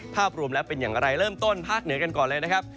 ภาพรวมแล้วเป็นอย่างไรเริ่มต้นภาคเหนือกันก่อนเลยนะครับ